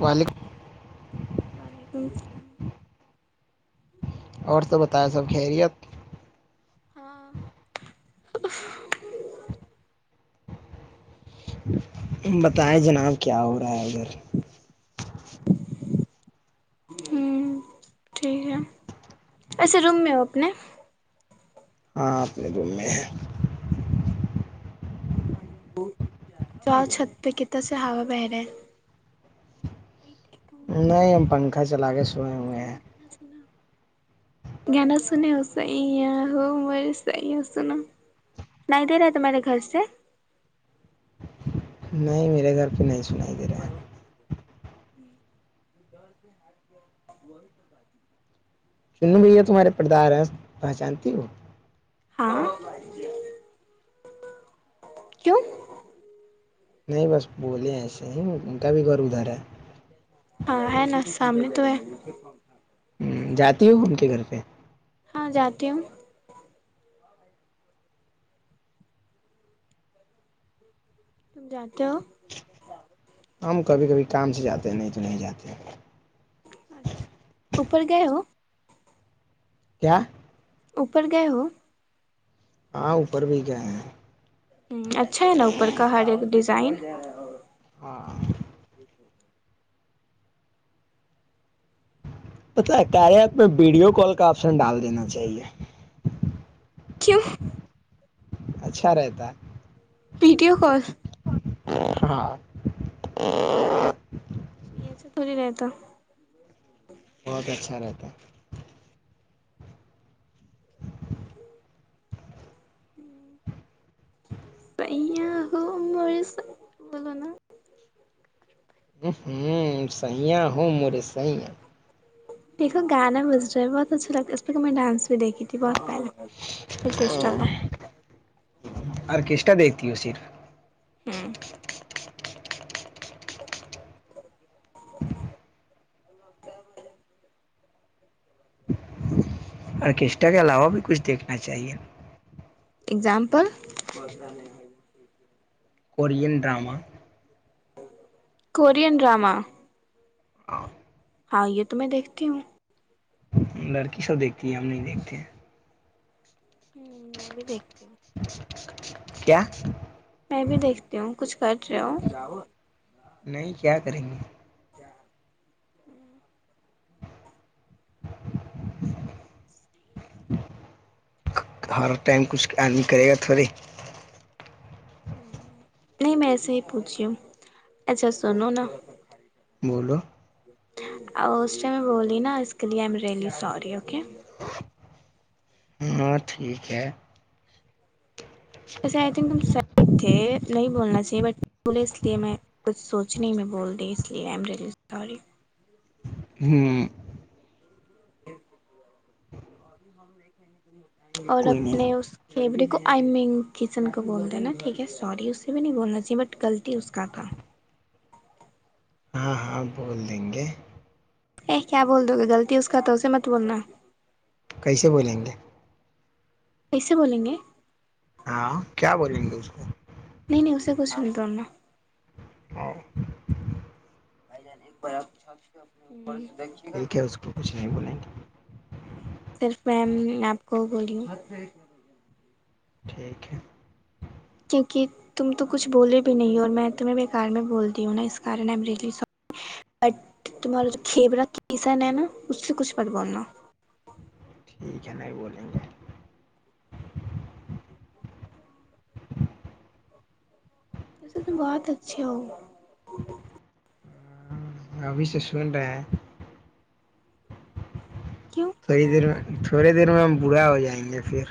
وعلیکم وعلیکم اور سب بتایا سب خیریت ہاں [inaudible] بتائیں جناب کیا ہو رہا ہے ادھر [inaudible] ٹھیک ہے اچھے روم میں ہو اپنے ہاں اپنے روم میں ہے چؤ چھت پہ کتنا سے ہوا بہ رہے ہیں نہیں ہم پنکھا چلا کے سوئے ہوئے ہیں گانا سنے ہو صی ہے ہو مصی ہو سناو نہیں دے رہا تمہارے گھر سے نہیں میرے گھر پہ نہیں سنائی دے رہا ہے [inaudible] چنو بھیا تمہارے پردار ہیں پہچانتی ہو ہاں کیوں [inaudible] نہیں بس بولے ایسے ہی ان کا بھی گھر ادھر ہے ہاں ہے نا سامنے تو ہے جاتی ہوں ان کے گھر پہ ہاں جاتی ہوں تم جاناتتے ہو ہم کبھی کبھی کام سے جاتے ہیں نہیں تو نہیں جاتے اپر گئے ہو کیا اوپر گئے ہو ہاں اوپر بھی گئے ہیں اچھا ہے نا اوپر کا ہر ایک ڈیزائن اور ہاں شادی کر پت کار آت میں ویڈیو کال کا آپشن ڈال دینا چاہیے کیوں اچھا رہتا ہے ویڈیو کال ہاں یہ یہ چا تھی رہتا بہت اچھا رہتا بولو نا ہوں سیاں ہوں مورے سییا دیکھو گانا بز رہا ہے بہت اچھا لگتا ہے اس پہ میں ڈانس بھی دیکھی تھی بہت کے تھا آرکیسٹرا دیکھتی ہو صرف ہاں ال آرکیسٹرا کے علاوہ بھی کچھ دیکھنا چاہیے example Korean drama Korean drama ہ ہاں یہ تو میں دیکھتی ہوں لرک سب دتی ہم نہیں دھتے ہیں ہوں میں بھی دیکھتی ہوں کیا میں بھی دیکھتی ہوں کچھ کر رہے ہو نہیں کیا کریں گے ہ ہر ٹائم کچھ آدمی کرے گا تھوڑے نہیں میں ایسے ہی پوچھیی ہوں اچھا سنو نا بولو اسٹ میں بولی نا اس کے لیے آئی ایم ریئلی سی [unintelligible] ہ ٹھیک ہے وسےئی تھنک تح تھے نہیں بولنا چاہیے بٹ بولے اس لیے میں کچھ سوچ کچھ نہیں میں بول د اس لیے آئی ایم ریلی سی ہوں ہی ابھی ہم دیکھیں ہیں کہ اور کوئی نہیں اپنے اس کیڑے کو آئی مین کسن کا بول د نا ٹھیک ہے سوری اس سے بھی نہیں بولنا چاہیے بٹ غلطی اس کا تھا ہاں ہاں بول دیں گے ا کیا بول دو گے غلطی اس کا تو اسے مت بولنا کیسے بولیں گے کیسے بولیں گے ہاں کیا بولیں گے اس کو نہیں نہیں اسے کچھ توورنا اور بھائی جان ایک بار آپپ اپنےپر ٹھیک ہے اس کو کچھ نہیں بولیں گے صرف م آپ کو ولیوم ٹھیک ہے کیوںکہ تم تو کچھ بولے بھی نہیں ہو اور میں تمہیں بے کار میں بولتی ہوں نا اسنی سی بٹ تمہارا کھیبرا کیسن ہے نا اس سے کچھ بٹ بولنا ٹھیک ہے نہیں بولیں گے وسے ت بہت اچھا ہو ہ ابھیس سون رہ کیوں تھوڑی دیر میں تھوڑے دیر میں ہم برا ہو جائیں گے پھر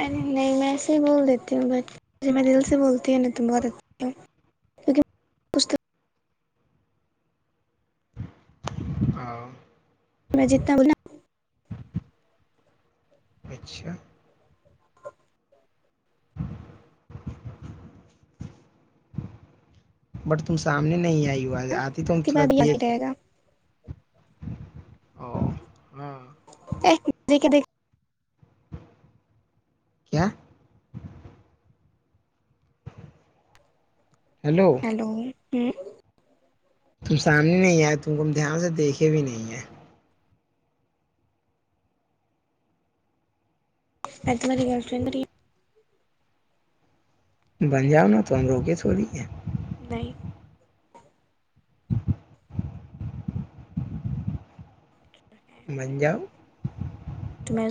ارے نہیں میں ایسے ہی بول دیتی ہوں بٹ میں دل سے بولتی ہوں تم ب دیتی ہوں او میں جنا بول اچھا بٹ تم سامنے نہیں آئی ہو آج نا آ اس کے بعد ہی رہے گا او ہاں ایک م دے کے دیک کیا ہیلو ہ بہار کی اوج تم سامنے نہیں آئے تم کو ہم دھیان سے دیکھے بھی نہیں ہے ا تماری گرلفرنڈ تری بن جاؤ نا تو ہم روک تھ ہو رہی ہے نہیں منجؤ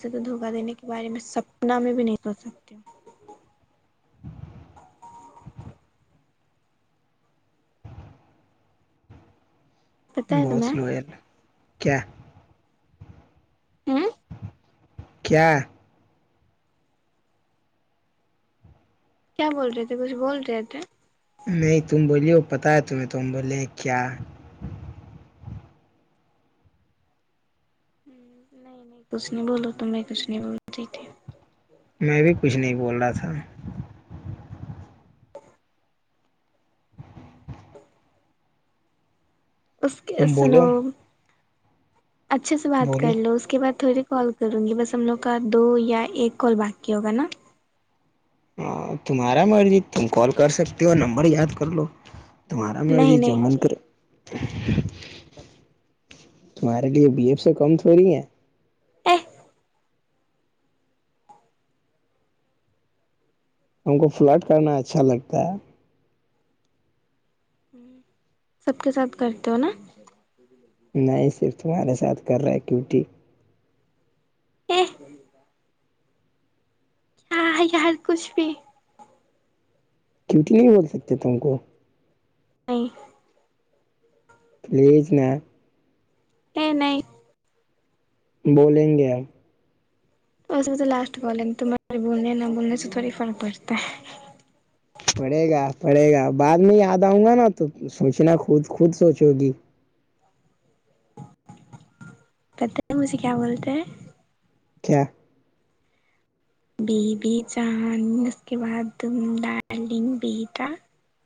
سے تو دھوکا دینے کے بارے میں سپنا میں بھی نہیں سوچ سکتی ہ پتہ ہے بہت تمہیں سلوئل کیا ہوں کیا کیا بول رہے تھے کچھ بول رہے تھے نہیں تم بولی ہو پت ہے تمیں تم بولے کیا؟ [unintelligible] ہ نہیں نہیں کچھ نہیں بولو تمے کچھ نہیں بول تھی [unintelligible] میں بھی کچھ نہیں بول رہا تھا [unintelligible] ہوں [unintelligible] اس کے تم بولو سنو [unintelligible] اچھے سے بات بولو کر لو اس کے بع تھوڑی [unintelligible] کال کروں گی بس ہم لوگ کا دو یا ایک کال باقی ہوگا نا [unintelligible] ہاں تمہارا مرضی تم کال کر سکتے ہو نمبر یاد کر لو [unintelligible] تمہارا نہیں مرضی جو نہیں من کرے نہیں [unintelligible] تمہارے لیے بی ایف سے کم تھڑی ہیں [unintelligible] ا [inaudible] ہم کو فلاٹ کرنا اچھا لگتا ہے [unintelligible] سب کے ساتھ کرتے ہو نا [unintelligible] نہیں صرف تمہارے ساتھ کر رہے کیوٹی [unintelligible] ا [inaudible] کیا یار کچھ بھی [unintelligible] کیونٹی نہیں بول سکتے تم کو [unintelligible] نہیں [inaudible] پلیز میں [unintelligible] نہیں نہیں [inaudible] بولیں گے ہم [unintelligible] اس میں تو لاسٹ بال تمہارے بولنے نہ بھولنے سے تھوڑی فرق پڑتا ہے [unintelligible] پڑے گا پڑے گا بعد میں یاد آؤں گا نا تو سوچنا خود خود سوچو گی [unintelligible] پت ہے مجھے کیا بولتے ہیں [unintelligible] چھ [inaudible] بی بیی چاند اس کے بعد ڈارلنگ بیٹا [unintelligible]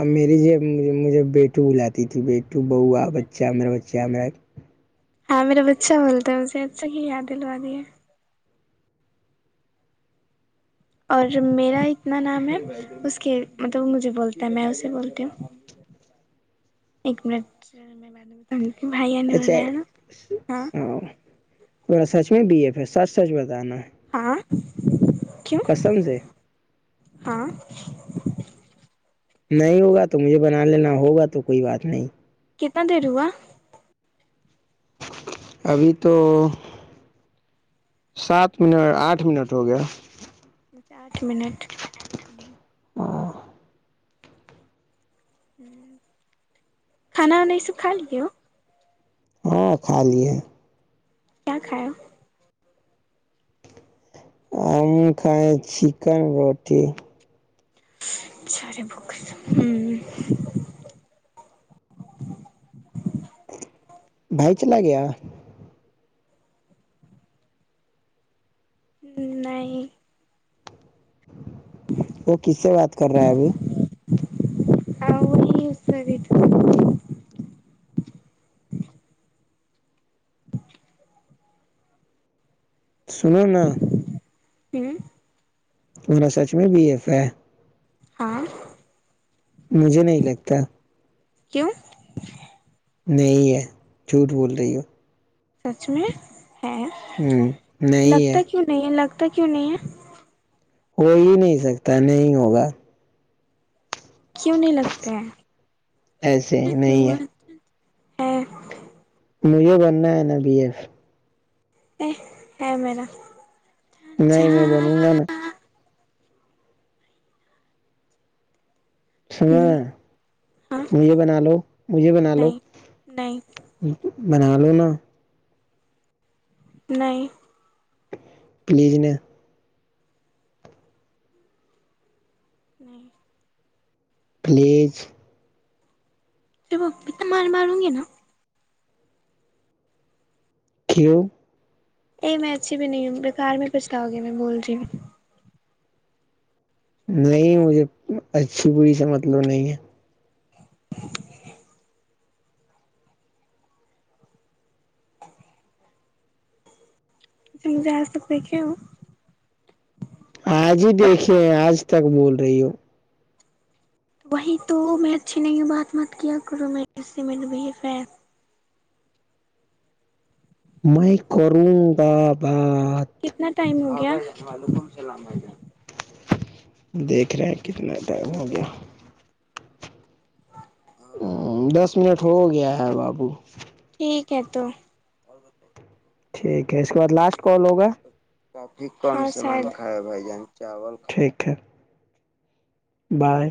اب میری ج مجھے بیٹو بلاتی تھی بیٹو بوا بچہ میرا بچہ میرا [unintelligible] ہاں میرا بچہ بولتا ہے مجھے اچھا کی یاد دلوا دی ہے اور میرا اتنا نام ہے اس کے مطلب مجھے بولتا ہے میں اسے بولتی ہوں ایک منٹ کہ بھائی آنے اچھا والا ہے نا ہاں تھوڑا ساچ نہیں بی ایف ہے سچ سچ بتانا ہے ہاں کیوں قسم سے ہاں نہیں ہوگا تو مجھے بنا لینا ہوگا تو کوئی بات نہیں کتنا دیر ہوا ابھی تو سات منٹ آٹھ منٹ ہو گیا آٹھ منٹ کھانا وناا یہ سب کھا لے ہاں کھا لیے کیا کھایا ہم کائے چکن روٹی چے بک ہوں بھائی چل گیا ہ نہیں وہ کس سے بات کر رہا ہے ابھی ا یہ س تو سنو نا ہ ان سا چ میں بی ایف اے ہاں مجھے نہیں لگتا کیوں نہیں ہے جھوٹ بول رہی ہو سچ میں ہے ہ نہیں ہے ت کیوں نہیں ہے ہو ہی نہیں سکتا نہیں ہوگا کیوں نہیں لگتا ہے ایسے ہی نہیں ہے ہاں مجھے بننا ہے نا بی ایف ہ مینا نہیں میں بنوں گا نا سنا ہاں مجھے بنا لو مجھے بنا لو نہیں نہیں بنا لو نا نہیں پلیز نے نہیں فلیج جب اتنا مار ماروں گے نا کیو ا میں اچھی بھی نہیں ہوں بےیکار میں پچھتاؤ گی میں بول رہی ہوں نہیں مجھے اچھی بری سے مطلب نہیں ہے ا [unintelligible] ج مجھے آ سکتے کی ہو آج ہی دیکھے آج تک بول رہی ہو وہیں تو میں اچھی نہیں بات مت کیا کروں م اس سے ملبیف ہے میں میں کروں بابا کتنا ٹائم ہوگا [unintelligible] دیکھ ریکھ کتنا ٹائم ہو گیا ہ دس منٹ ہو گیا ہے بابو کت ٹھیک ہے اس کے بعد لاسٹ کال ہوگا [unintelligible] کون س کائے بھ جان چاولائے ٹھیک ہے بائے